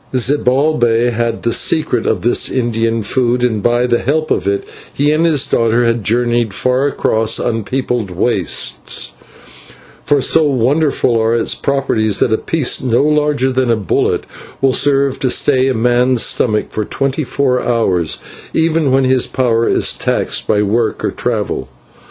Zibalbay had the secret of this Indian food, and by the help of it he and his daughter had journeyed far across unpopulated wastes, for so wonderful are its properties that a piece no larger than a bullet will serve to stay a man's stomach for twenty four hours, even when his power is taxed by work or travel.